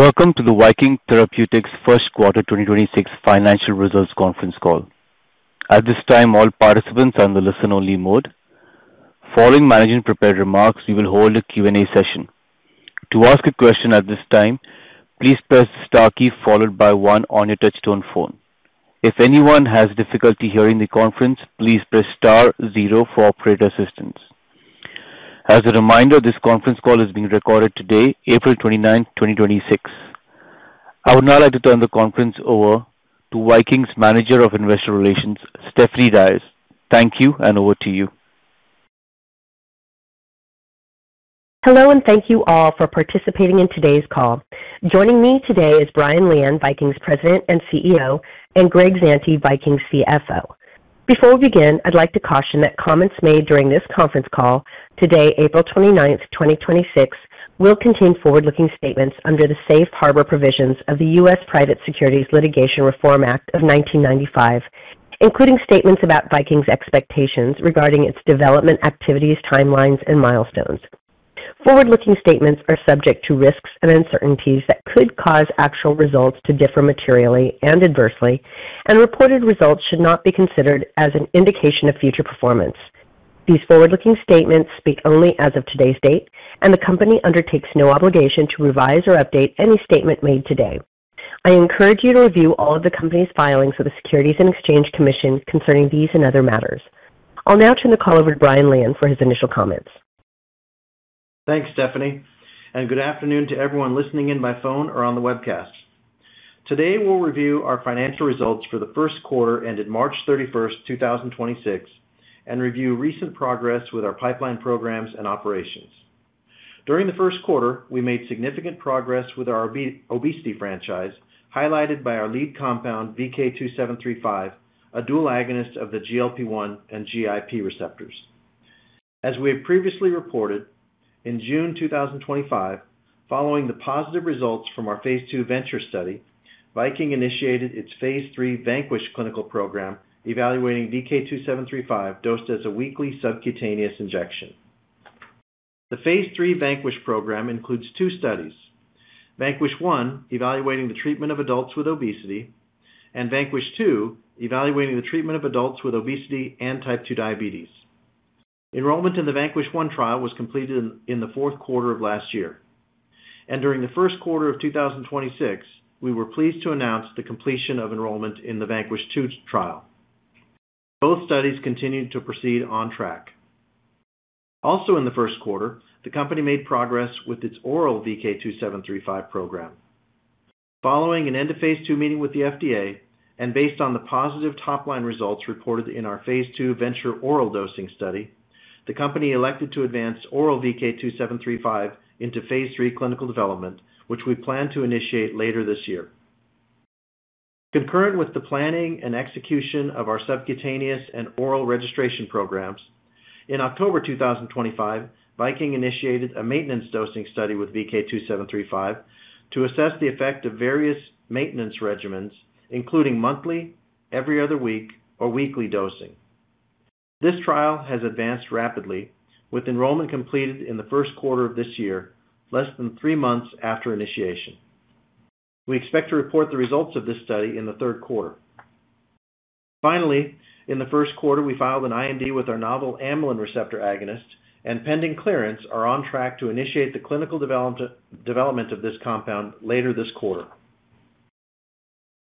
Welcome to the Viking Therapeutics Q1 2026 financial results conference call. As a reminder, this conference call is being recorded today, April 29th, 2026. I would now like to turn the conference over to Viking's Manager of Investor Relations, Stephanie Diaz. Thank you, and over to you. Hello and thank you all for participating in today's call. Joining me today is Brian Lian, Viking's President and CEO, and Greg Zante, Viking's CFO. Before we begin, I'd like to caution that comments made during this conference call today, April 29th, 2026, will contain forward-looking statements under the Safe Harbor Provisions of the U.S. Private Securities Litigation Reform Act of 1995, including statements about Viking's expectations regarding its development activities, timelines and milestones. Forward-looking statements are subject to risks and uncertainties that could cause actual results to differ materially and adversely, and reported results should not be considered as an indication of future performance. These forward-looking statements speak only as of today's date, and the company undertakes no obligation to revise or update any statement made today. I encourage you to review all of the company's filings with the Securities and Exchange Commission concerning these and other matters. I'll now turn the call over to Brian Lian for his initial comments. Good afternoon to everyone listening in by phone or on the webcast. Today, we'll review our financial results for the Q1 ended March 31st, 2026 and review recent progress with our pipeline programs and operations. During the Q1, we made significant progress with our obesity franchise, highlighted by our lead compound, VK2735, a dual agonist of the GLP-1 and GIP receptors. As we have previously reported, in June 2025, following the positive results from our phase II VENTURE study, Viking initiated its phase III VANQUISH clinical program evaluating VK2735 dosed as a weekly subcutaneous injection. The phase III VANQUISH program includes two studies: VANQUISH-1, evaluating the treatment of adults with obesity, and VANQUISH-2, evaluating the treatment of adults with obesity and type 2 diabetes. Enrollment in the VANQUISH-1 trial was completed in the Q4 of last year. During the Q1 of 2026, we were pleased to announce the completion of enrollment in the VANQUISH-2 trial. Both studies continued to proceed on track. In the Q1, the company made progress with its oral VK2735 program. Following an end-of-phase II meeting with the FDA and based on the positive top-line results reported in our phase II VENTURE oral dosing study, the company elected to advance oral VK2735 into phase III clinical development, which we plan to initiate later this year. Concurrent with the planning and execution of our subcutaneous and oral registration programs, in October 2025, Viking initiated a maintenance dosing study with VK2735 to assess the effect of various maintenance regimens, including monthly, every other week, or weekly dosing. This trial has advanced rapidly with enrollment completed in the Q1 of this year, less than three months after initiation. We expect to report the results of this study in the Q3. Finally, in the Q1, we filed an IND with our novel amylin receptor agonist and pending clearance are on track to initiate the clinical development of this compound later this quarter.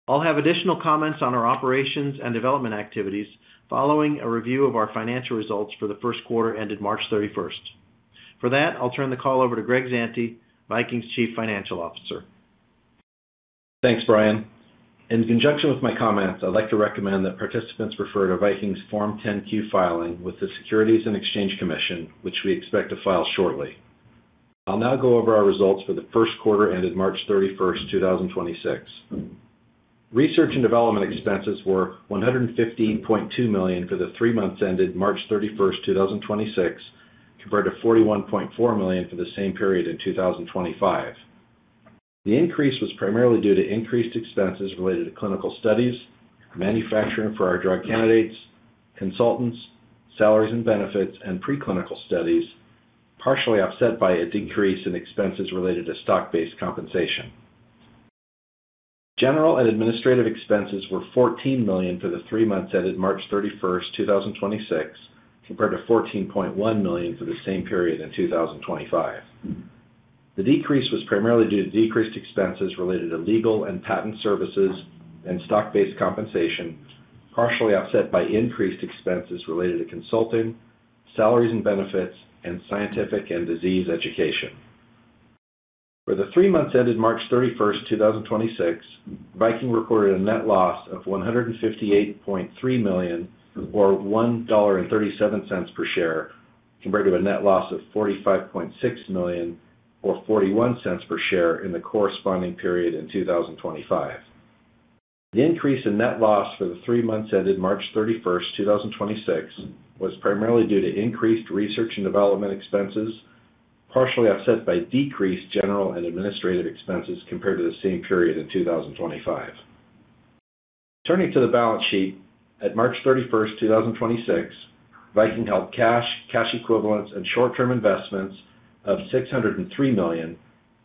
I'll have additional comments on our operations and development activities following a review of our financial results for the Q1 ended March 31st. For that, I'll turn the call over to Greg Zante, Viking's Chief Financial Officer. Thanks, Brian. In conjunction with my comments, I'd like to recommend that participants refer to Viking's Form 10-Q filing with the Securities and Exchange Commission, which we expect to file shortly. I'll now go over our results for the Q1 ended March 31st, 2026. Research and development expenses were $115.2 million for the three months ended March 31st, 2026, compared to $41.4 million for the same period in 2025. The increase was primarily due to increased expenses related to clinical studies, manufacturing for our drug candidates, consultants, salaries and benefits, and preclinical studies, partially offset by a decrease in expenses related to stock-based compensation. General and administrative expenses were $14 million for the three months ended March 31st, 2026, compared to $14.1 million for the same period in 2025. The decrease was primarily due to decreased expenses related to legal and patent services and stock-based compensation, partially offset by increased expenses related to consulting, salaries and benefits, and scientific and disease education. For the three months ended March 31st, 2026, Viking reported a net loss of $158.3 million or $1.37 per share, compared to a net loss of $45.6 million or $0.41 per share in the corresponding period in 2025. The increase in net loss for the three months ended March 31st, 2026, was primarily due to increased research and development expenses, partially offset by decreased general and administrative expenses compared to the same period in 2025. Turning to the balance sheet, at March 31st, 2026, Viking held cash equivalents and short-term investments of $603 million,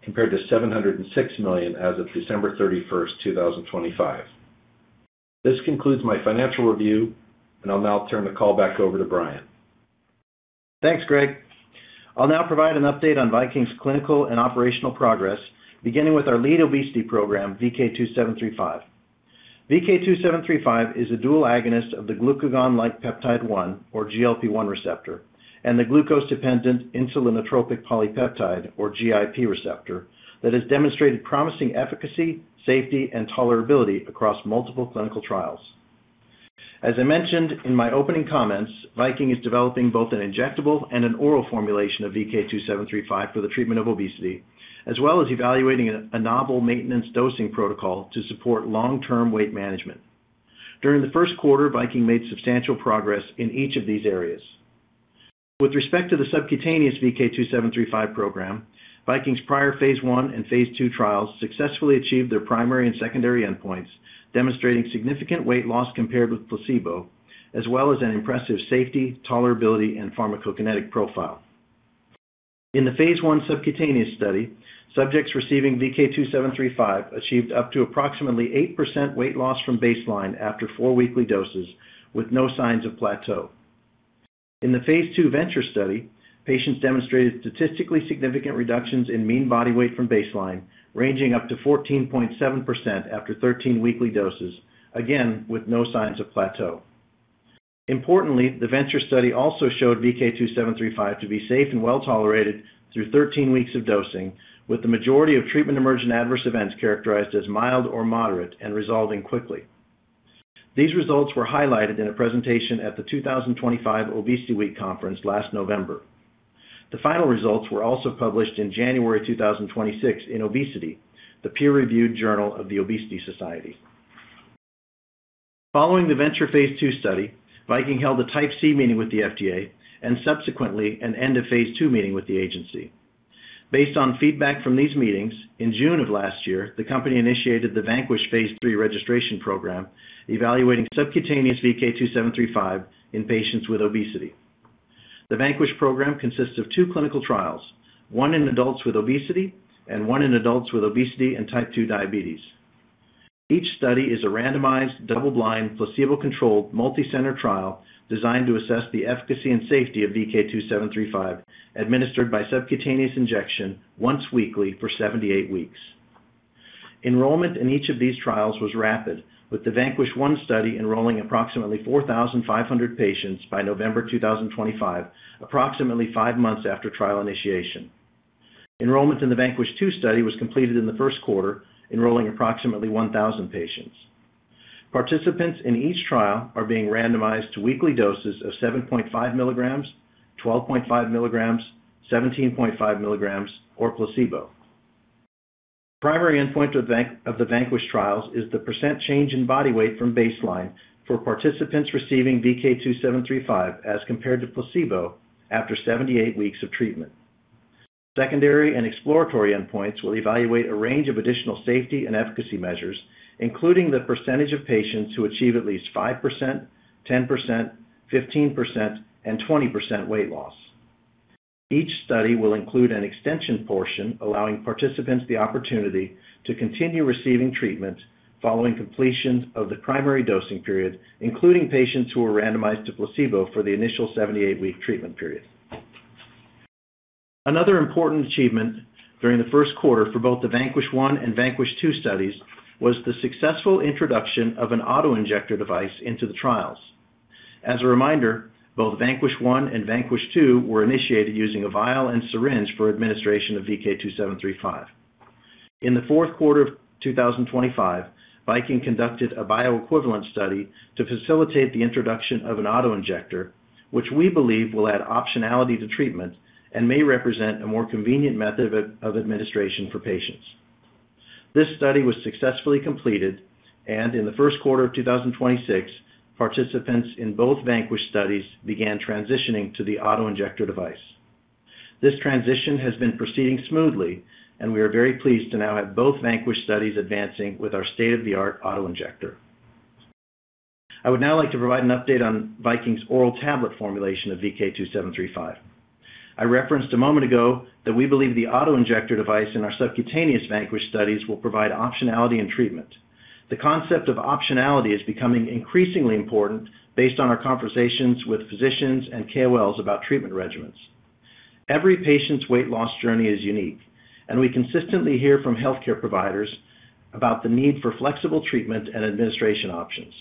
compared to $706 million as of December 31st, 2025. This concludes my financial review, and I'll now turn the call back over to Brian. Thanks, Greg. I'll now provide an update on Viking's clinical and operational progress, beginning with our lead obesity program, VK2735. VK2735 is a dual agonist of the Glucagon-like peptide-1, or GLP-1 receptor, and the Glucose-dependent insulinotropic polypeptide, or GIP receptor, that has demonstrated promising efficacy, safety, and tolerability across multiple clinical trials. As I mentioned in my opening comments, Viking is developing both an injectable and an oral formulation of VK2735 for the treatment of obesity, as well as evaluating a novel maintenance dosing protocol to support long-term weight management. During the Q1, Viking made substantial progress in each of these areas. With respect to the subcutaneous VK2735 program, Viking's prior phase I and phase II trials successfully achieved their primary and secondary endpoints, demonstrating significant weight loss compared with placebo, as well as an impressive safety, tolerability, and pharmacokinetic profile. In the phase I subcutaneous study, subjects receiving VK2735 achieved up to approximately 8% weight loss from baseline after four weekly doses, with no signs of plateau. In the phase II VENTURE study, patients demonstrated statistically significant reductions in mean body weight from baseline, ranging up to 14.7% after 13 weekly doses, again, with no signs of plateau. Importantly, the VENTURE study also showed VK2735 to be safe and well-tolerated through 13 weeks of dosing, with the majority of treatment-emergent adverse events characterized as mild or moderate and resolving quickly. These results were highlighted in a presentation at the 2025 ObesityWeek conference last November. The final results were also published in January 2026 in Obesity, the peer-reviewed journal of The Obesity Society. Following the VENTURE phase II study, Viking held a Type C meeting with the FDA and subsequently an end-of-phase II meeting with the agency. Based on feedback from these meetings, in June of last year, the company initiated the VANQUISH phase III registration program, evaluating subcutaneous VK2735 in patients with obesity. The VANQUISH program consists of two clinical trials, one in adults with obesity and one in adults with obesity and type 2 diabetes. Each study is a randomized, double-blind, placebo-controlled, multi-center trial designed to assess the efficacy and safety of VK2735, administered by subcutaneous injection once weekly for 78 weeks. Enrollment in each of these trials was rapid, with the VANQUISH-1 study enrolling approximately 4,500 patients by November 2025, approximately five months after trial initiation. Enrollment in the VANQUISH-2 study was completed in the Q1, enrolling approximately 1,000 patients. Participants in each trial are being randomized to weekly doses of 7.5 mg, 12.5 mg, 17.5 mg, or placebo. Primary endpoint of the VANQUISH trials is the percent change in body weight from baseline for participants receiving VK2735 as compared to placebo after 78 weeks of treatment. Secondary and exploratory endpoints will evaluate a range of additional safety and efficacy measures, including the percentage of patients who achieve at least 5%, 10%, 15%, and 20% weight loss. Each study will include an extension portion, allowing participants the opportunity to continue receiving treatment following completion of the primary dosing period, including patients who were randomized to placebo for the initial 78-week treatment period. Another important achievement during the Q1 for both the VANQUISH-1 and VANQUISH-2 studies was the successful introduction of an auto-injector device into the trials. As a reminder, both VANQUISH-1 and VANQUISH-2 were initiated using a vial and syringe for administration of VK2735. In the Q4 of 2025, Viking conducted a Bioequivalence study to facilitate the introduction of an auto-injector, which we believe will add optionality to treatment and may represent a more convenient method of administration for patients. This study was successfully completed. In the Q1 of 2026, participants in both VANQUISH studies began transitioning to the auto-injector device. This transition has been proceeding smoothly. We are very pleased to now have both VANQUISH studies advancing with our state-of-the-art auto-injector. I would now like to provide an update on Viking's oral tablet formulation of VK2735. I referenced a moment ago that we believe the auto-injector device in our subcutaneous VANQUISH studies will provide optionality in treatment. The concept of optionality is becoming increasingly important based on our conversations with physicians and KOLs about treatment regimens. Every patient's weight loss journey is unique, and we consistently hear from healthcare providers about the need for flexible treatment and administration options.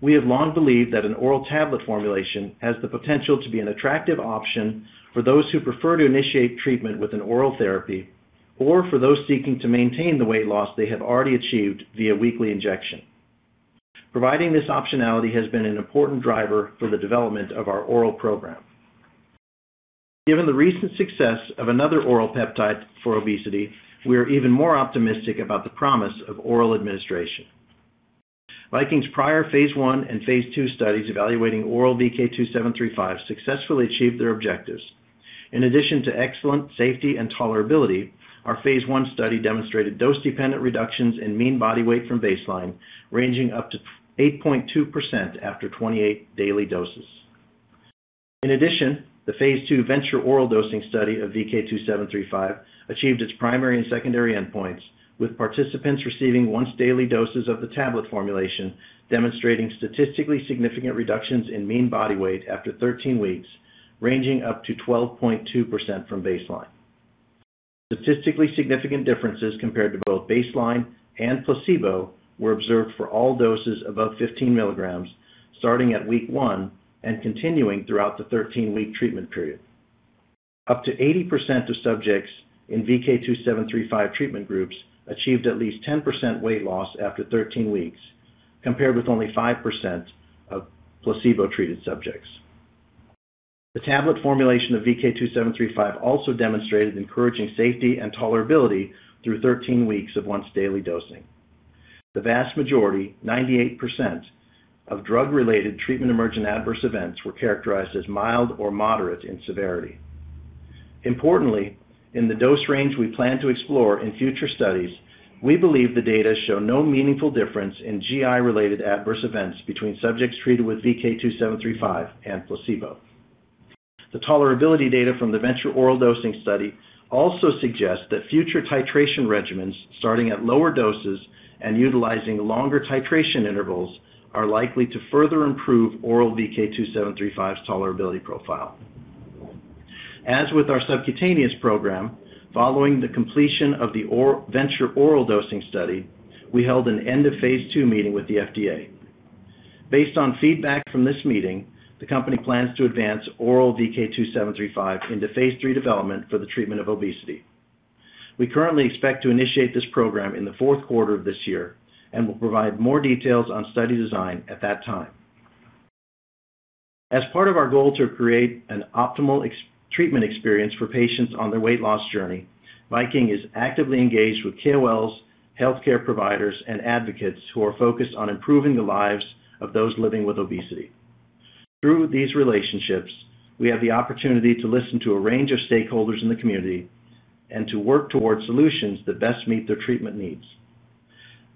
We have long believed that an oral tablet formulation has the potential to be an attractive option for those who prefer to initiate treatment with an oral therapy or for those seeking to maintain the weight loss they have already achieved via weekly injection. Providing this optionality has been an important driver for the development of our oral program. Given the recent success of another oral peptide for obesity, we are even more optimistic about the promise of oral administration. Viking's prior phase I and phase II studies evaluating oral VK2735 successfully achieved their objectives. In addition to excellent safety and tolerability, our phase I study demonstrated dose-dependent reductions in mean body weight from baseline, ranging up to 8.2% after 28 daily doses. In addition, the phase II VENTURE oral dosing study of VK2735 achieved its primary and secondary endpoints, with participants receiving once daily doses of the tablet formulation demonstrating statistically significant reductions in mean body weight after 13 weeks, ranging up to 12.2% from baseline. Statistically significant differences compared to both baseline and placebo were observed for all doses above 15 mg, starting at week one and continuing throughout the 13-week treatment period. Up to 80% of subjects in VK2735 treatment groups achieved at least 10% weight loss after 13 weeks, compared with only 5% of placebo-treated subjects. The tablet formulation of VK2735 also demonstrated encouraging safety and tolerability through 13 weeks of once-daily dosing. The vast majority, 98%, of drug-related treatment emergent adverse events were characterized as mild or moderate in severity. Importantly, in the dose range we plan to explore in future studies, we believe the data show no meaningful difference in GI-related adverse events between subjects treated with VK2735 and placebo. The tolerability data from the VENTURE oral dosing study also suggests that future titration regimens starting at lower doses and utilizing longer titration intervals are likely to further improve oral VK2735's tolerability profile. As with our subcutaneous program, following the completion of the VENTURE oral dosing study, we held an end-of-phase II meeting with the FDA. Based on feedback from this meeting, the company plans to advance oral VK2735 into phase III development for the treatment of obesity. We currently expect to initiate this program in the Q4 of this year and will provide more details on study design at that time. As part of our goal to create an optimal treatment experience for patients on their weight loss journey, Viking is actively engaged with KOLs, healthcare providers, and advocates who are focused on improving the lives of those living with obesity. Through these relationships, we have the opportunity to listen to a range of stakeholders in the community and to work towards solutions that best meet their treatment needs.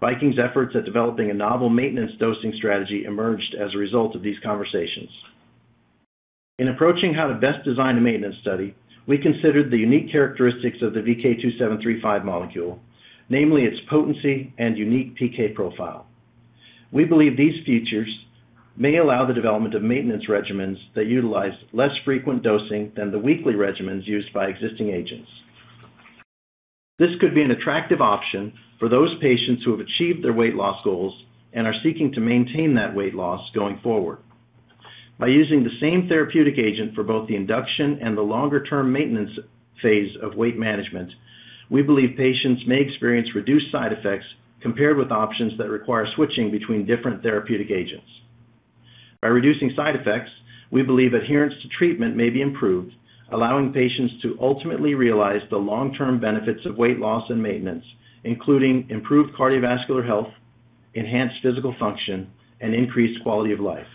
Viking's efforts at developing a novel maintenance dosing strategy emerged as a result of these conversations. In approaching how to best design a maintenance study, we considered the unique characteristics of the VK2735 molecule, namely its potency and unique PK profile. We believe these features may allow the development of maintenance regimens that utilize less frequent dosing than the weekly regimens used by existing agents. This could be an attractive option for those patients who have achieved their weight loss goals and are seeking to maintain that weight loss going forward. By using the same therapeutic agent for both the induction and the longer-term maintenance phase of weight management, we believe patients may experience reduced side effects compared with options that require switching between different therapeutic agents. By reducing side effects, we believe adherence to treatment may be improved, allowing patients to ultimately realize the long-term benefits of weight loss and maintenance, including improved cardiovascular health, enhanced physical function, and increased quality of life.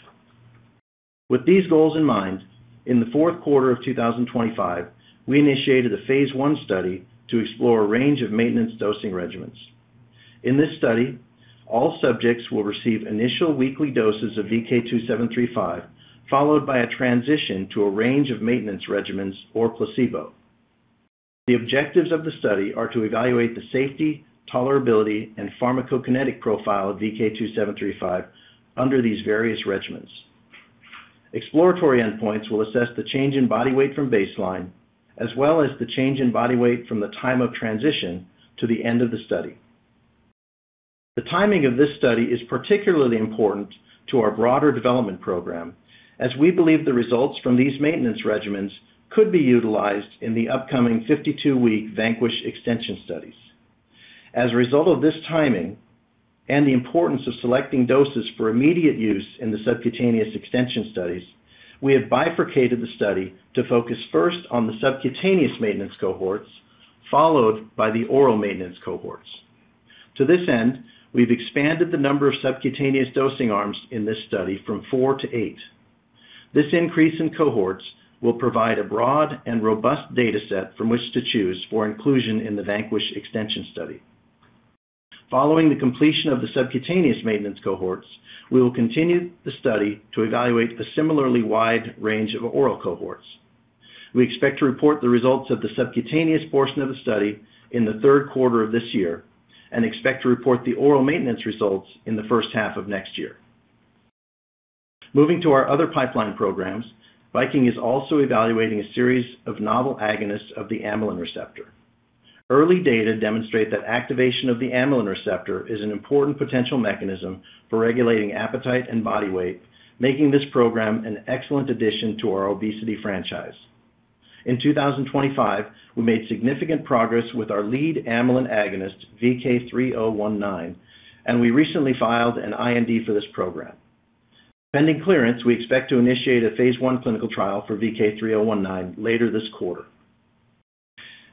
With these goals in mind, in the Q4 of 2025, we initiated a phase I study to explore a range of maintenance dosing regimens. In this study, all subjects will receive initial weekly doses of VK2735, followed by a transition to a range of maintenance regimens or placebo. The objectives of the study are to evaluate the safety, tolerability, and pharmacokinetic profile of VK2735 under these various regimens. Exploratory endpoints will assess the change in body weight from baseline, as well as the change in body weight from the time of transition to the end of the study. The timing of this study is particularly important to our broader development program, as we believe the results from these maintenance regimens could be utilized in the upcoming 52-week VANQUISH extension studies. As a result of this timing and the importance of selecting doses for immediate use in the subcutaneous extension studies, we have bifurcated the study to focus first on the subcutaneous maintenance cohorts, followed by the oral maintenance cohorts. To this end, we've expanded the number of subcutaneous dosing arms in this study from four to eight. This increase in cohorts will provide a broad and robust data set from which to choose for inclusion in the VANQUISH extension study. Following the completion of the subcutaneous maintenance cohorts, we will continue the study to evaluate a similarly wide range of oral cohorts. We expect to report the results of the subcutaneous portion of the study in the Q3 of this year and expect to report the oral maintenance results in the H1 of next year. Moving to our other pipeline programs, Viking is also evaluating a series of novel agonists of the amylin receptor. Early data demonstrate that activation of the amylin receptor is an important potential mechanism for regulating appetite and body weight, making this program an excellent addition to our obesity franchise. In 2025, we made significant progress with our lead amylin agonist, VK3019, and we recently filed an IND for this program. Pending clearance, we expect to initiate a phase I clinical trial for VK3019 later this quarter.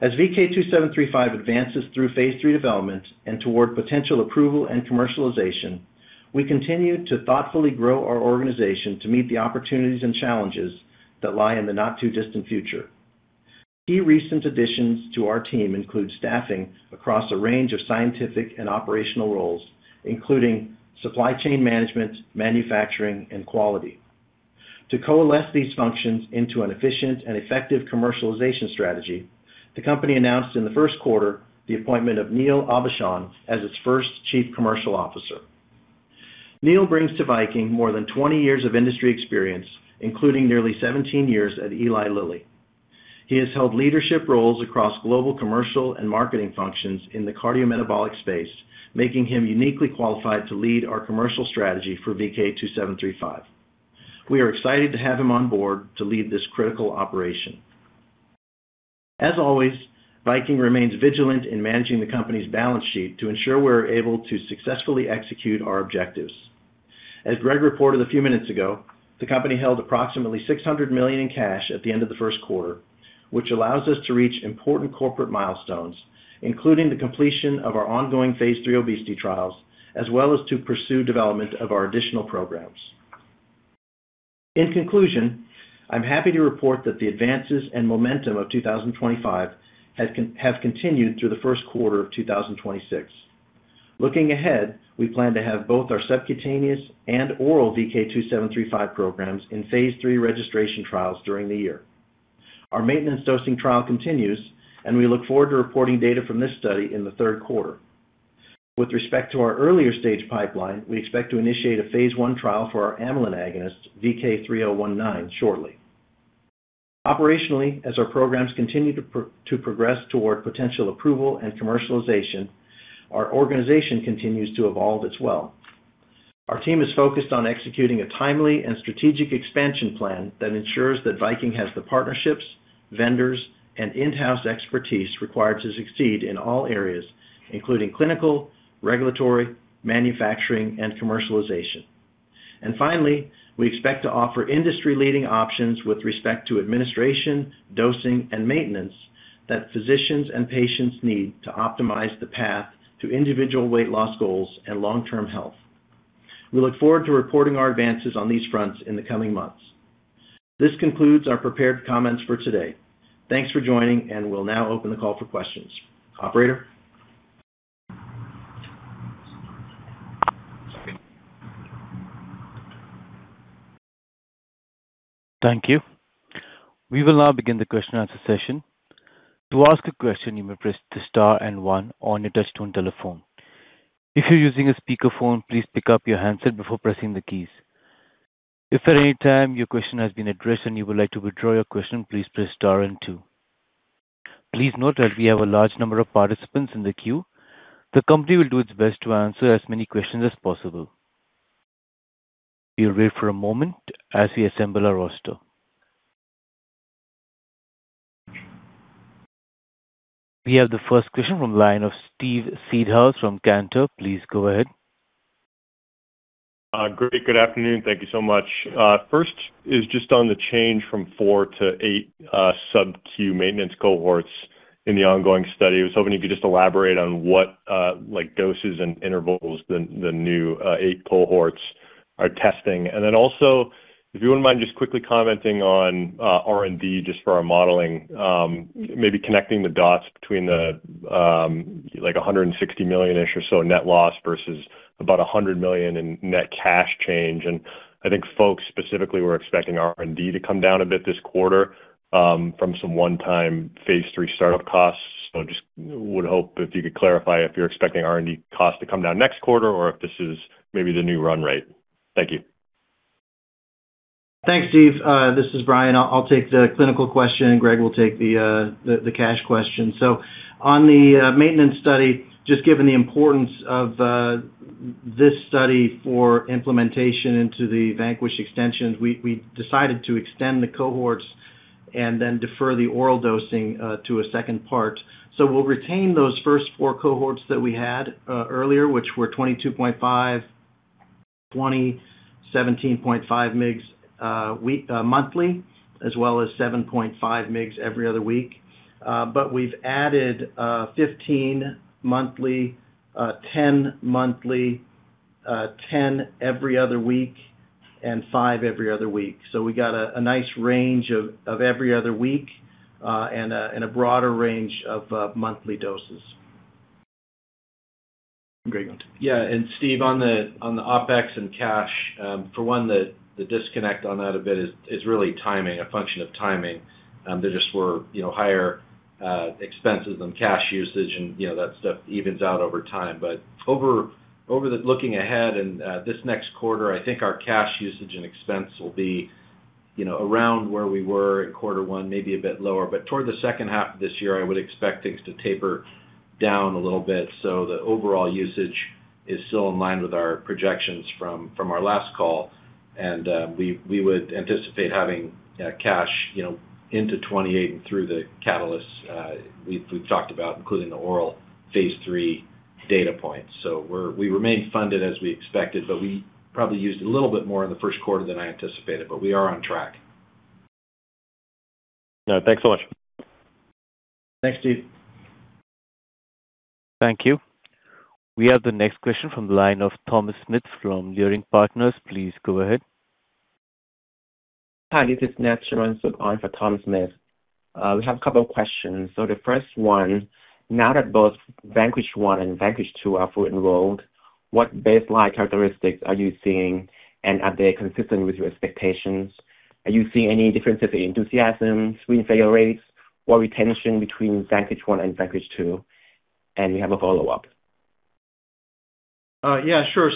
As VK2735 advances through phase III development and toward potential approval and commercialization, we continue to thoughtfully grow our organization to meet the opportunities and challenges that lie in the not too distant future. Key recent additions to our team include staffing across a range of scientific and operational roles, including supply chain management, manufacturing, and quality. To coalesce these functions into an efficient and effective commercialization strategy, the company announced in the Q1 the appointment of Neil Aubuchon as its first Chief Commercial Officer. Neil brings to Viking more than 20 years of industry experience, including nearly 17 years at Eli Lilly. He has held leadership roles across global commercial and marketing functions in the cardiometabolic space, making him uniquely qualified to lead our commercial strategy for VK2735. We are excited to have him on board to lead this critical operation. As always, Viking remains vigilant in managing the company's balance sheet to ensure we're able to successfully execute our objectives. As Greg reported a few minutes ago, the company held approximately $600 million in cash at the end of the Q1, which allows us to reach important corporate milestones, including the completion of our ongoing phase III obesity trials, as well as to pursue development of our additional programs. In conclusion, I'm happy to report that the advances and momentum of 2025 have continued through the Q1 of 2026. Looking ahead, we plan to have both our subcutaneous and oral VK2735 programs in phase III registration trials during the year. Our maintenance dosing trial continues, and we look forward to reporting data from this study in the Q3. With respect to our earlier stage pipeline, we expect to initiate a phase I trial for our amylin agonist, VK3019, shortly. Operationally, as our programs continue to progress toward potential approval and commercialization, our organization continues to evolve as well. Our team is focused on executing a timely and strategic expansion plan that ensures that Viking has the partnerships, vendors, and in-house expertise required to succeed in all areas, including clinical, regulatory, manufacturing, and commercialization. Finally, we expect to offer industry-leading options with respect to administration, dosing, and maintenance that physicians and patients need to optimize the path to individual weight loss goals and long-term health. We look forward to reporting our advances on these fronts in the coming months. This concludes our prepared comments for today. Thanks for joining. We'll now open the call for questions. Operator? Thank you. We will now begin the question and answer session. Please note that we have a large number of participants in the queue. The company will do its best to answer as many questions as possible. Please wait for a moment as we assemble our roster. We have the first question from the line of Steve Seedhouse from Cantor Fitzgerald. Please go ahead. Great. Good afternoon. Thank you so much. First is just on the change from four to eight sub-Q maintenance cohorts in the ongoing study. I was hoping you could just elaborate on what like doses and intervals the new eight cohorts are testing. If you wouldn't mind just quickly commenting on R&D just for our modeling, maybe connecting the dots between the like $160 million-ish or so net loss versus about $100 million in net cash change. I think folks specifically were expecting R&D to come down a bit this quarter from some one-time phase III startup costs. Just would hope if you could clarify if you're expecting R&D costs to come down next quarter or if this is maybe the new run rate. Thank you. Thanks, Steve. This is Brian. I'll take the clinical question, and Greg will take the cash question. On the maintenance study, just given the importance of this study for implementation into the VANQUISH extensions, we decided to extend the cohorts and then defer the oral dosing to a second part. We'll retain those first four cohorts that we had earlier, which were 22.5 mg, 20 mg, 17.5 mg monthly, as well as 7.5 mg every other week. But we've added 15 mg monthly, 10 mg monthly, 10 mg every other week, and 5 mg every other week. We got a nice range of every other week, and a broader range of monthly doses. Greg. Steve, on OpEx and cash, for one, the disconnect on that a bit is really timing, a function of timing. There just were, you know, higher expenses and cash usage, and, you know, that stuff evens out over time. Looking ahead and this next quarter, I think our cash usage and expense will be, you know, around where we were in quarter one, maybe a bit lower. Toward the H2 of this year, I would expect things to taper down a little bit. The overall usage is still in line with our projections from our last call. We would anticipate having cash, you know, into 2028 and through the catalysts we've talked about, including the oral phase III data points. We remain funded as we expected, but we probably used a little bit more in the Q1 than I anticipated, but we are on track. All right. Thanks so much. Thanks, Steve. Thank you. We have the next question from the line of Thomas Smith from Leerink Partners. Please go ahead. Hi, this is Nat Charoensook on for Thomas Smith. We have a couple of questions. The first one, now that both VANQUISH-1 and VANQUISH-2 are fully enrolled, what baseline characteristics are you seeing, and are they consistent with your expectations? Are you seeing any differences in enthusiasm, screen failure rates or retention between VANQUISH-1 and VANQUISH-2? We have a follow-up. Yeah, sure.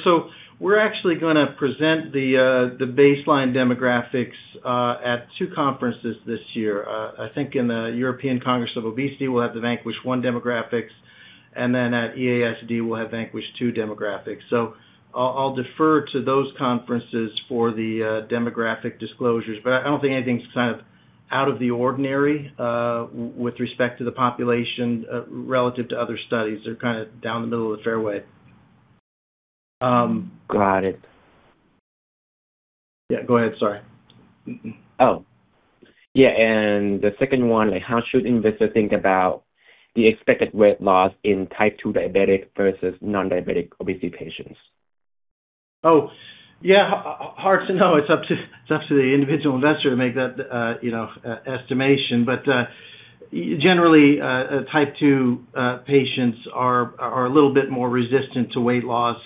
We're actually gonna present the baseline demographics at two conferences this year. I think in the European Congress on Obesity, we'll have the VANQUISH 1 demographics, and then at EASD, we'll have VANQUISH 2 demographics. I'll defer to those conferences for the demographic disclosures. I don't think anything's kind of out of the ordinary with respect to the population relative to other studies. They're kind of down the middle of the fairway. Got it. Yeah, go ahead. Sorry. Yeah, the second one, like how should investors think about the expected weight loss in type 2 diabetic versus non-diabetic obesity patients? Oh, yeah. Hard to know. It's up to the individual investor to make that, you know, estimation. Generally, type 2 patients are a little bit more resistant to weight loss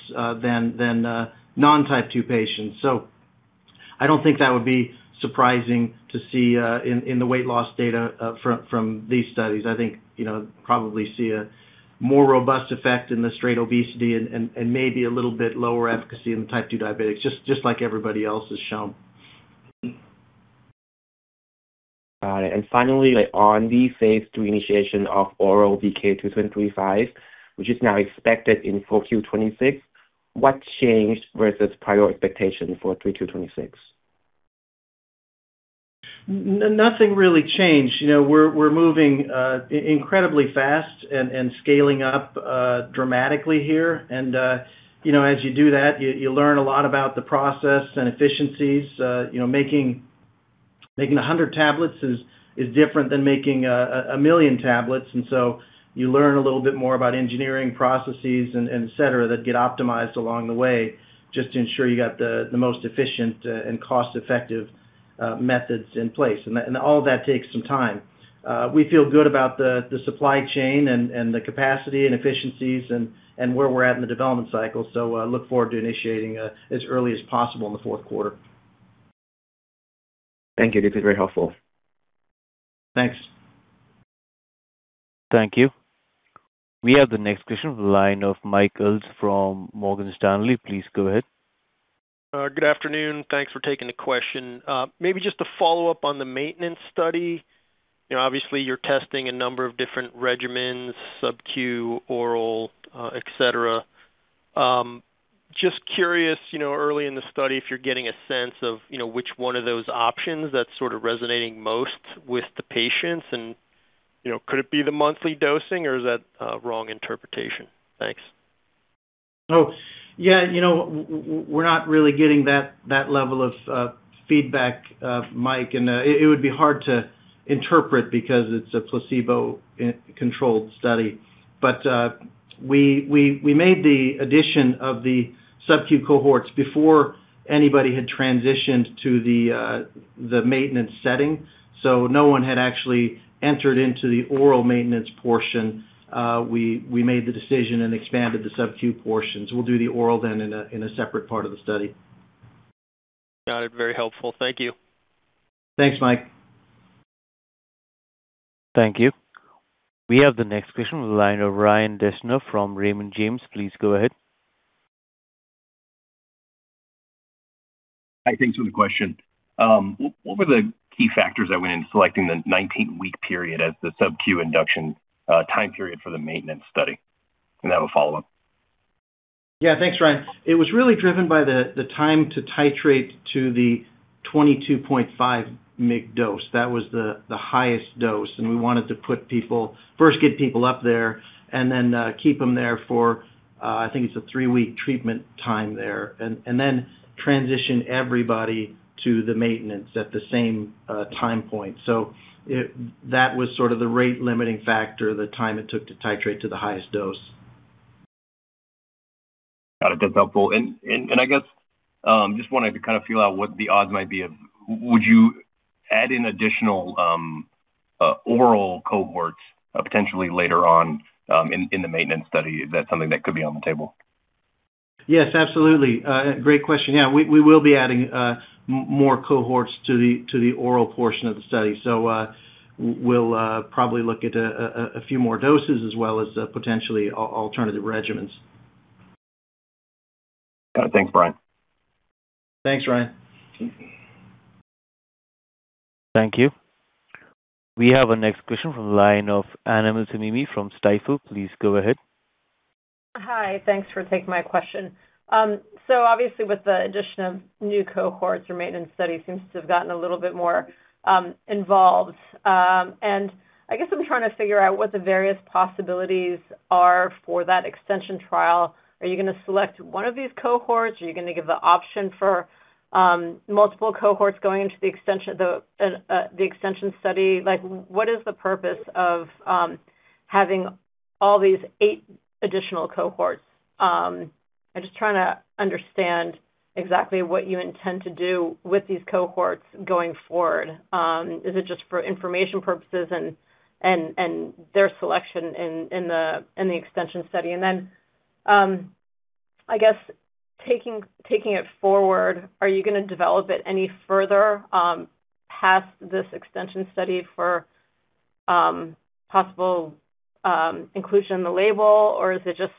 than non type 2 patients. I don't think that would be surprising to see in the weight loss data from these studies. I think, you know, probably see a more robust effect in the straight obesity and maybe a little bit lower efficacy in the type 2 diabetics, just like everybody else has shown. Got it. Finally, like on the phase III initiation of oral VK2735, which is now expected in Q4 2026, what changed versus prior expectation for Q3 2026? Nothing really changed. You know, we're moving incredibly fast and scaling up dramatically here. You know, as you do that, you learn a lot about the process and efficiencies. You know, making 100 tablets is different than making a million tablets. You learn a little bit more about engineering processes and et cetera, that get optimized along the way just to ensure you got the most efficient and cost-effective methods in place. All of that takes some time. We feel good about the supply chain and the capacity and efficiencies and where we're at in the development cycle. Look forward to initiating as early as possible in the Q4. Thank you. This is very helpful. Thanks. Thank you. We have the next question from the line of Michael from Morgan Stanley. Please go ahead. Good afternoon. Thanks for taking the question. Maybe just to follow up on the maintenance study. You know, obviously you're testing a number of different regimens, subQ, oral, et cetera. Just curious, you know, early in the study if you're getting a sense of, you know, which one of those options that's sort of resonating most with the patients and, you know, could it be the monthly dosing or is that a wrong interpretation? Thanks. Oh, yeah. You know, we're not really getting that level of feedback, Mike. It would be hard to interpret because it's a placebo-controlled study. We made the addition of the subQ cohorts before anybody had transitioned to the maintenance setting. No one had actually entered into the oral maintenance portion. We made the decision and expanded the subQ portions. We'll do the oral then in a separate part of the study. Got it. Very helpful. Thank you. Thanks, Mike. Thank you. We have the next question from the line of Ryan Deschner from Raymond James. Please go ahead. Hi. Thanks for the question. What were the key factors that went in selecting the 19-week period as the subQ induction time period for the maintenance study? I have a follow-up. Yeah. Thanks, Ryan. It was really driven by the time to titrate to the 22.5 mg dose. That was the highest dose, and we wanted to first get people up there and then keep them there for I think it's a three-week treatment time there, and then transition everybody to the maintenance at the same time point. That was sort of the rate limiting factor, the time it took to titrate to the highest dose. Got it. That's helpful. I guess, just wanted to kind of feel out what the odds might be of would you add in additional, oral cohorts, potentially later on, in the maintenance study? Is that something that could be on the table? Yes, absolutely. Great question. We will be adding more cohorts to the oral portion of the study. We'll probably look at a few more doses as well as potentially alternative regimens. Thanks, Brian. Thanks, Ryan. Thank you. We have our next question from the line of Annabel Samimy from Stifel. Please go ahead. Hi. Thanks for taking my question. Obviously with the addition of new cohorts, your maintenance study seems to have gotten a little bit more involved. I guess I'm trying to figure out what the various possibilities are for that extension trial. Are you gonna select one of these cohorts? Are you gonna give the option for multiple cohorts going into the extension, the extension study? Like, what is the purpose of having all these eight additional cohorts? I'm just trying to understand exactly what you intend to do with these cohorts going forward. Is it just for information purposes and their selection in the extension study? Then, I guess taking it forward, are you gonna develop it any further past this extension study for possible inclusion in the label? Is it just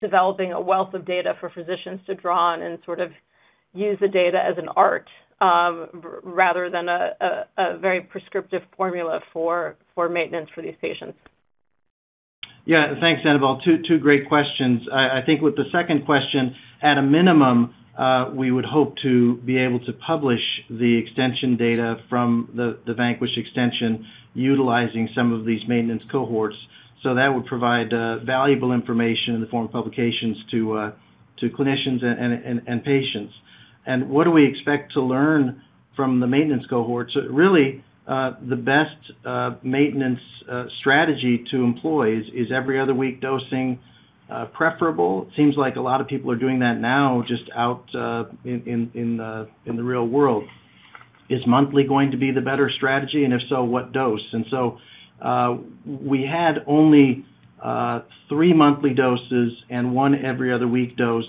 developing a wealth of data for physicians to draw on and sort of use the data as an art, rather than a very prescriptive formula for maintenance for these patients? Yeah. Thanks, Annabel. Two great questions. I think with the second question, at a minimum, we would hope to be able to publish the extension data from the VANQUISH extension utilizing some of these maintenance cohorts. That would provide valuable information in the form of publications to clinicians and patients. What do we expect to learn from the maintenance cohorts? Really, the best maintenance strategy to employ is every other week dosing preferable. It seems like a lot of people are doing that now just out in the real world. Is monthly going to be the better strategy, and if so, what dose? We had only three monthly doses and one every other week dose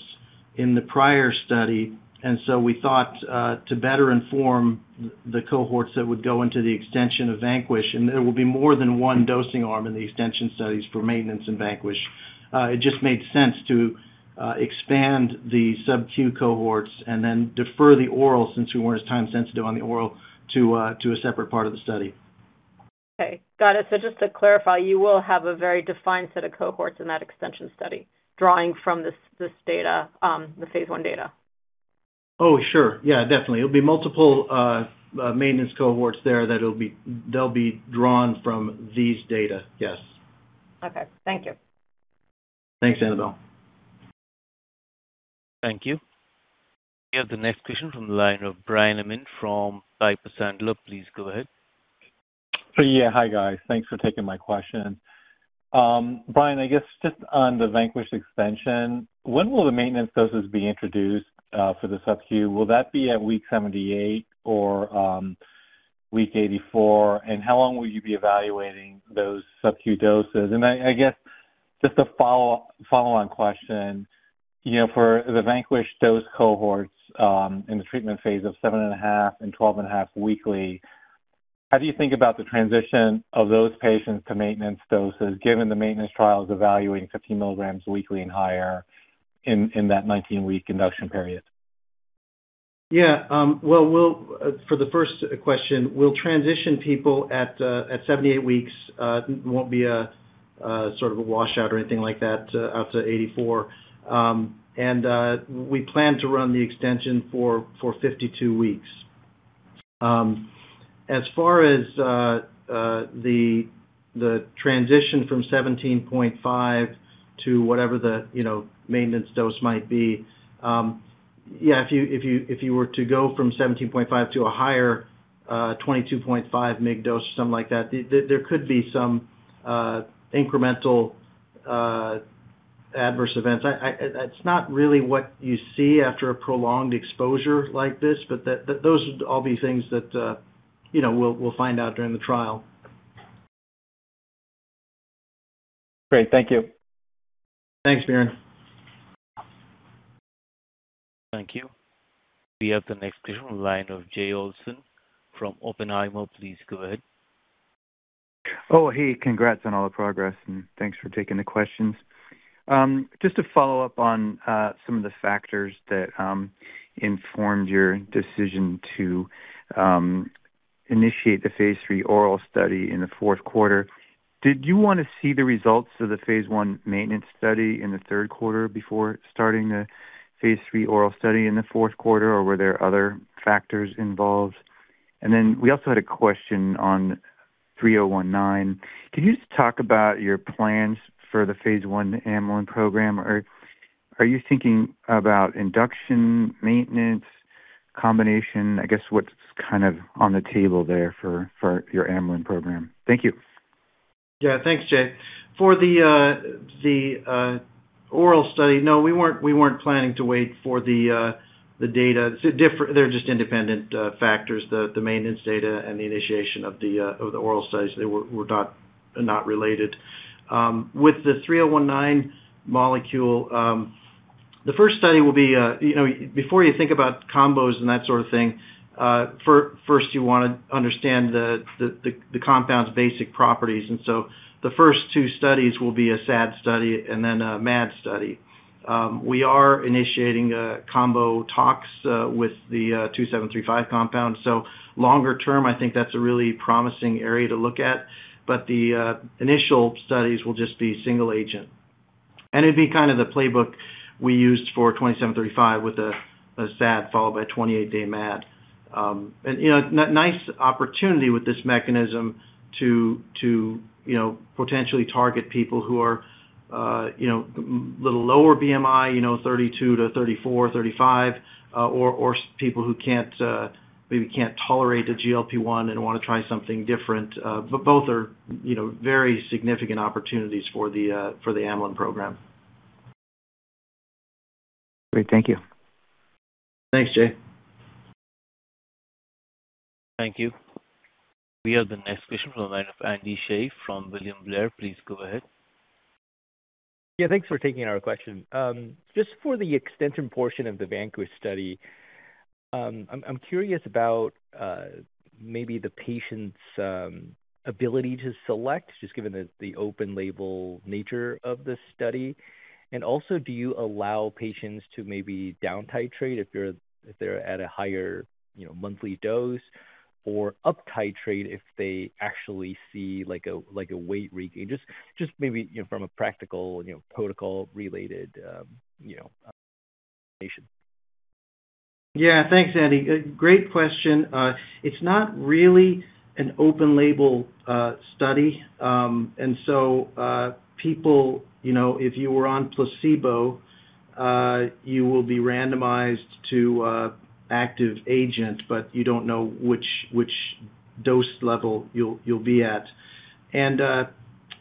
in the prior study. We thought to better inform the cohorts that would go into the extension of VANQUISH, and there will be more than one dosing arm in the extension studies for maintenance in VANQUISH. It just made sense to expand the subQ cohorts and then defer the oral, since we weren't as time sensitive on the oral, to a separate part of the study. Okay. Got it. Just to clarify, you will have a very defined set of cohorts in that extension study drawing from this data, the phase I data. Oh, sure. Yeah, definitely. It'll be multiple maintenance cohorts there they'll be drawn from these data. Yes. Okay. Thank you. Thanks, Annabel. Thank you. We have the next question from the line of Biren Amin from Piper Sandler. Please go ahead. Yeah. Hi, guys. Thanks for taking my question. Brian, I guess just on the VANQUISH extension, when will the maintenance doses be introduced for the subQ? Will that be at week 78 or week 84? How long will you be evaluating those subQ doses? I guess just a follow-on question. You know, for the VANQUISH dose cohorts, in the treatment phase of 7.5 mg and 12.5 mg weekly, how do you think about the transition of those patients to maintenance doses, given the maintenance trial is evaluating 15 mg weekly and higher in that 19-week induction period? Well, for the first question, we'll transition people at 78 weeks. It won't be a sort of a washout or anything like that out to 84. We plan to run the extension for 52 weeks. As far as the transition from 17.5 mg to whatever the, you know, maintenance dose might be, if you were to go from 17.5 mg to a higher 22.5 mg dose or something like that, there could be some incremental adverse events. That's not really what you see after a prolonged exposure like this, but those would all be things that, you know, we'll find out during the trial. Great. Thank you. Thanks, Biren. Thank you. We have the next question from the line of Jay Olson from Oppenheimer. Please go ahead. Hey. Congrats on all the progress, and thanks for taking the questions. Just to follow up on some of the factors that informed your decision to initiate the phase III oral study in the Q4, did you want to see the results of the phase I maintenance study in the Q3 before starting the phase III oral study in the Q4, or were there other factors involved? We also had a question on VK3019. Can you just talk about your plans for the phase I amylin program, or are you thinking about induction, maintenance, combination? I guess what's kind of on the table there for your amylin program. Thank you. Yeah. Thanks, Jay. For the oral study, no, we weren't planning to wait for the data. They're just independent factors. The maintenance data and the initiation of the oral studies, they were not related. With the VK3019 molecule, the first study will be, you know, before you think about combos and that sort of thing, first you want to understand the compound's basic properties. The first two studies will be a SAD study and then a MAD study. We are initiating combo talks with the VK2735 compound. Longer term, I think that's a really promising area to look at. The initial studies will just be single agent. It'd be kind of the playbook we used for VK2735 with a SAD followed by a 28-day MAD. You know, nice opportunity with this mechanism to, you know, potentially target people who are, you know, little lower BMI, you know, 32 to 34, 35, or people who can't, maybe can't tolerate a GLP-1 and wanna try something different. Both are, you know, very significant opportunities for the amylin program. Great. Thank you. Thanks, Jay. Thank you. We have the next question from the line of Andy Hsieh from William Blair. Please go ahead. Yeah, thanks for taking our question. Just for the extension portion of the VANQUISH study, I'm curious about maybe the patient's ability to select, just given the open label nature of this study. Do you allow patients to maybe down titrate if they're at a higher, you know, monthly dose or up titrate if they actually see, like a weight regain? Just maybe, you know, from a practical, you know, protocol related standpoint. Yeah. Thanks, Andy. A great question. It's not really an open label study. People, you know, if you were on placebo, you will be randomized to a active agent, but you don't know which dose level you'll be at.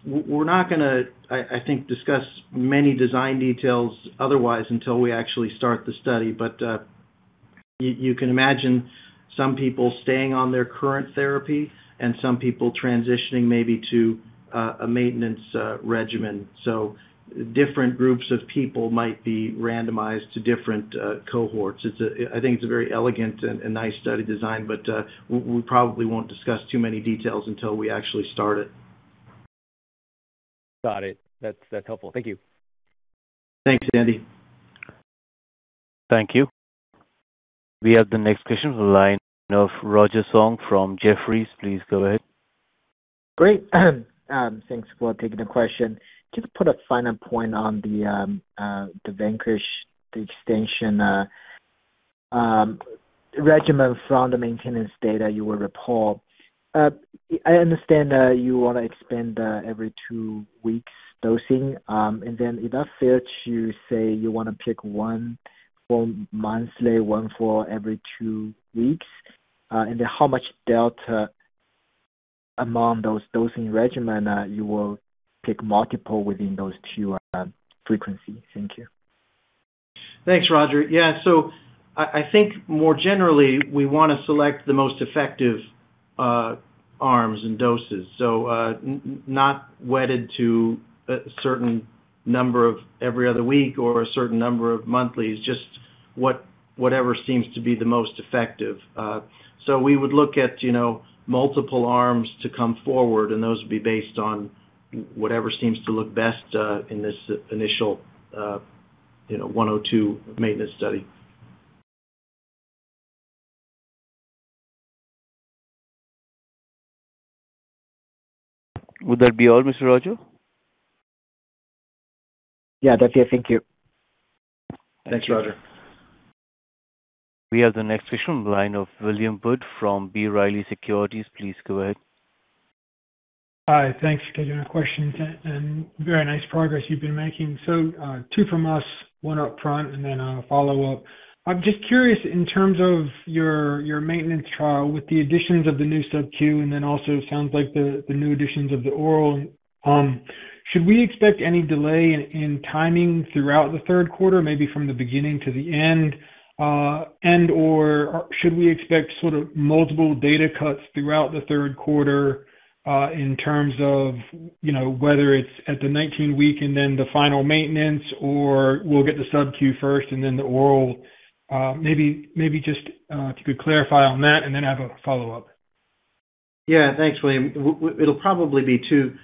We're not gonna, I think, discuss many design details otherwise until we actually start the study. You can imagine some people staying on their current therapy and some people transitioning maybe to a maintenance regimen. Different groups of people might be randomized to different cohorts. I think it's a very elegant and nice study design. We probably won't discuss too many details until we actually start it. Got it. That's helpful. Thank you. Thanks, Andy. Thank you. We have the next question, the line of Roger Song from Jefferies. Please go ahead. Great. Thanks for taking the question. Just to put a finer point on the VANQUISH, the extension regimen from the maintenance data you will report. I understand, you wanna expand every two weeks dosing. Is that fair to say you wanna pick one for monthly, one for every two weeks? How much delta among those dosing regimen, you will pick multiple within those two frequencies? Thanks, Roger. Yeah. I think more generally, we wanna select the most effective arms and doses. Not wedded to a certain number of every other week or a certain number of monthlies, just whatever seems to be the most effective. We would look at, you know, multiple arms to come forward, and those would be based on whatever seems to look best in this initial, you know, 102 maintenance study. Would that be all, Mr. Roger? Yeah, that's it. Thank you. Thanks, Roger. We have the next question on the line of William Wood from B. Riley Securities. Please go ahead. Hi. Thanks for taking our questions, and very nice progress you've been making. Two from us, one up front and then a follow-up. I'm just curious, in terms of your maintenance trial with the additions of the new subQ and then also sounds like the new additions of the oral, should we expect any delay in timing throughout the Q3, maybe from the beginning to the end? And/or should we expect sort of multiple data cuts throughout the Q3, in terms of, you know, whether it's at the 19-week and then the final maintenance, or we'll get the subQ first and then the oral? Maybe just if you could clarify on that and then I have a follow-up. Yeah. Thanks, William. It'll probably be two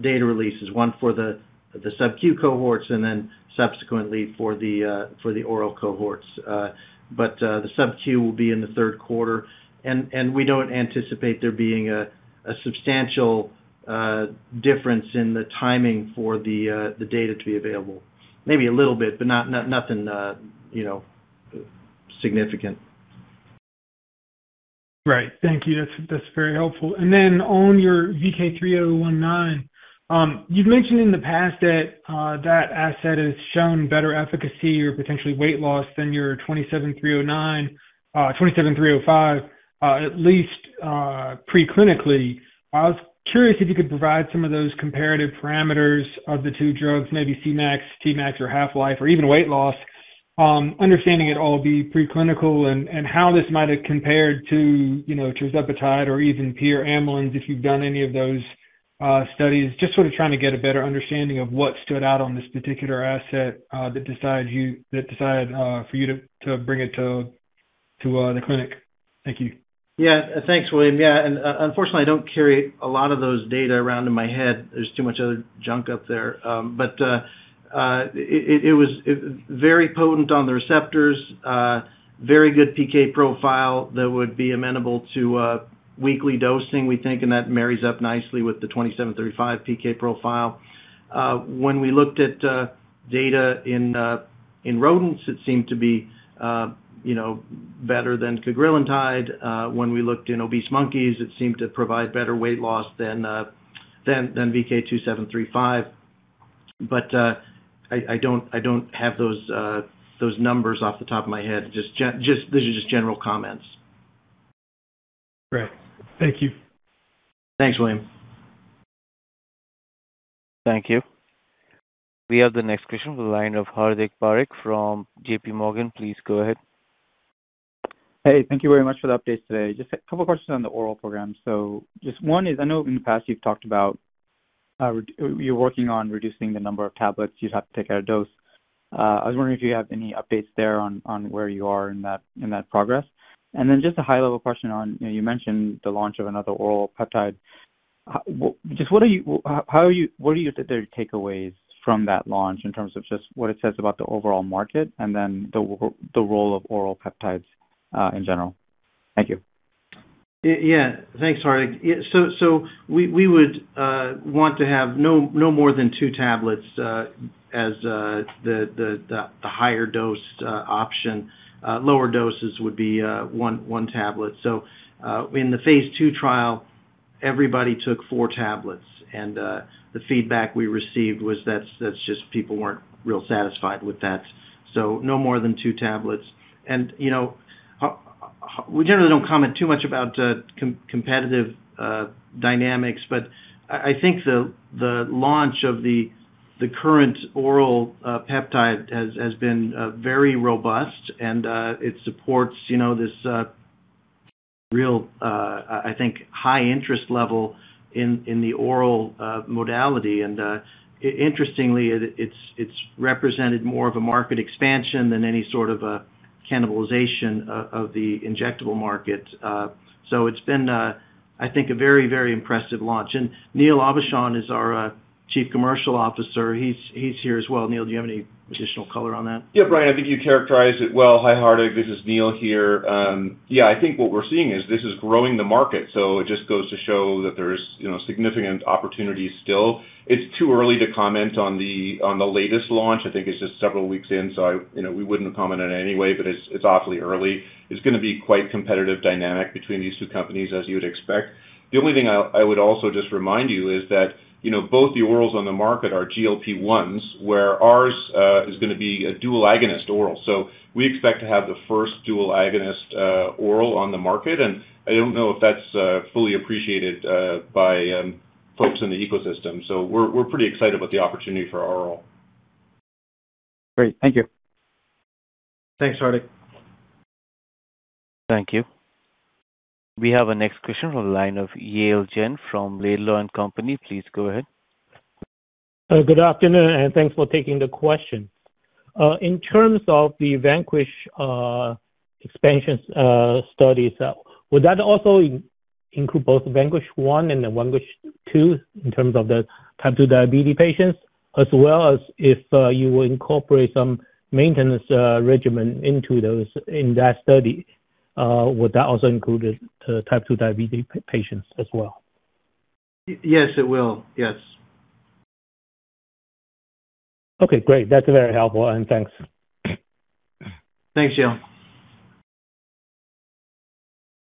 data releases, one for the subQ cohorts and then subsequently for the oral cohorts. The subQ will be in the Q3. We don't anticipate there being a substantial difference in the timing for the data to be available. Maybe a little bit, but not nothing, you know, significant. Right. Thank you. That's very helpful. Then on your VK3019, you've mentioned in the past that asset has shown better efficacy or potentially weight loss than your 27309, 27305, at least preclinically. I was curious if you could provide some of those comparative parameters of the two drugs, maybe Cmax, Tmax or half-life or even weight loss, understanding it all be preclinical and how this might have compared to, you know, tirzepatide or even peer amylins, if you've done any of those studies. Just sort of trying to get a better understanding of what stood out on this particular asset, that decided for you to bring it to the clinic. Thank you. Thanks, William. Unfortunately, I don't carry a lot of those data around in my head. There's too much other junk up there. It was very potent on the receptors. Very good PK profile that would be amenable to weekly dosing, we think, and that marries up nicely with the VK2735 PK profile. When we looked at data in rodents, it seemed to be, you know, better than cagrilintide. When we looked in obese monkeys, it seemed to provide better weight loss than VK2735. I don't have those numbers off the top of my head. These are just general comments. Great. Thank you. Thanks, William. Thank you. We have the next question on the line of Hardik Parikh from JPMorgan. Please go ahead. Hey, thank you very much for the updates today. Just a couple questions on the oral program. Just one is, I know in the past you've talked about, you're working on reducing the number of tablets you'd have to take at a dose. I was wondering if you have any updates there on where you are in that progress. Just a high-level question on, you know, you mentioned the launch of another oral peptide. What are your takeaways from that launch in terms of just what it says about the overall market and then the role of oral peptides in general? Thank you. Yeah. Thanks, Hardik. We would want to have no more than two tablets as the higher dose option. Lower doses would be one tablet. In the phase II trial, everybody took four tablets, and the feedback we received was that's just people weren't real satisfied with that. No more than two tablets. You know, we generally don't comment too much about competitive dynamics, but I think the launch of the current oral peptide has been very robust and it supports, you know, this real, I think, high interest level in the oral modality. Interestingly, it's represented more of a market expansion than any sort of a cannibalization of the injectable market. It's been, I think a very impressive launch. Neil Aubuchon is our Chief Commercial Officer. He's here as well. Neil, do you have any additional color on that? Yeah, Brian, I think you characterized it well. Hi, Hardik. This is Neil here. Yeah, I think what we're seeing is this is growing the market, so it just goes to show that there's, you know, significant opportunities still. It's too early to comment on the, on the latest launch. I think it's just several weeks in, so I, you know, we wouldn't comment on it anyway, but it's awfully early. It's gonna be quite competitive dynamic between these two companies, as you would expect. The only thing I would also just remind you is that, you know, both the orals on the market are GLP-1s, where ours is gonna be a dual agonist oral. We expect to have the first dual agonist oral on the market, and I don't know if that's fully appreciated by folks in the ecosystem. We're pretty excited about the opportunity for our oral. Great. Thank you. Thanks, Hardik. Thank you. We have our next question on the line of Yale Jen from Laidlaw & Company. Please go ahead. Good afternoon. Thanks for taking the question. In terms of the VANQUISH expansion studies, would that also include both VANQUISH-1 and VANQUISH-2 in terms of the type 2 diabetes patients? As well as if you will incorporate some maintenance regimen into those in that study, would that also include the type 2 diabetes patients as well? Yes, it will. Yes. Okay, great. That's very helpful, and thanks. Thanks, Yale.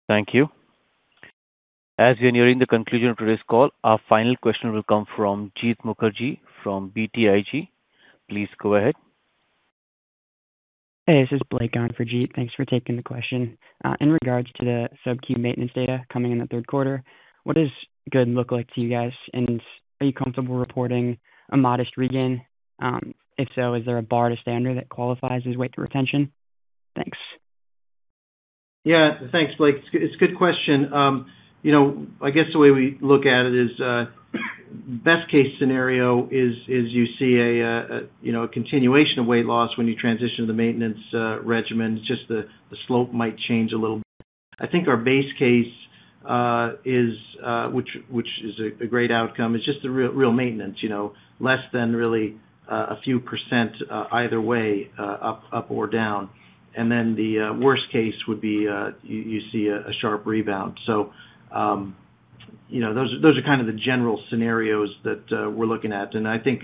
Thank you. As we're nearing the conclusion of today's call, our final question will come from Jeet Mukherjee from BTIG. Please go ahead. Hey, this is Blake on for Jeet. Thanks for taking the question. In regards to the subq maintenance data coming in the Q3, what does good look like to you guys, and are you comfortable reporting a modest regain? If so, is there a bar to standard that qualifies as weight retention? Thanks. Yeah. Thanks, Blake. It's a good question. You know, I guess the way we look at it is best case scenario is you see a continuation of weight loss when you transition to the maintenance regimen. It's just the slope might change a little. I think our base case is, which is a great outcome, is just the real maintenance, you know. Less than really a few percent either way, up or down. The worst case would be you see a sharp rebound. You know, those are kind of the general scenarios that we're looking at. I think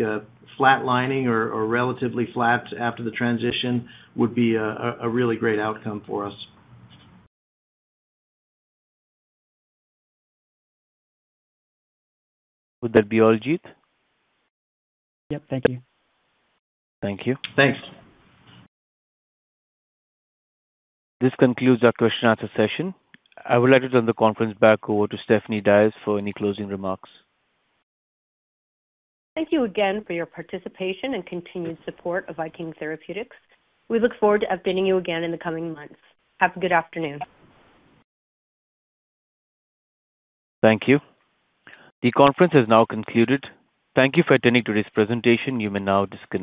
flatlining or relatively flat after the transition would be a really great outcome for us. Would that be all, Jeet? Yep. Thank you. Thank you. Thanks. This concludes our question answer session. I will hand it on the conference back over to Stephanie Diaz for any closing remarks. Thank you again for your participation and continued support of Viking Therapeutics. We look forward to updating you again in the coming months. Have a good afternoon. Thank you. The conference has now concluded. Thank you for attending today's presentation. You may now disconnect.